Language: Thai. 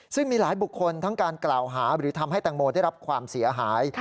ซึ่งมีหลายบุคคลทั้งการกล่าวหาหรือทำให้แตงโมได้รับความเสียหาย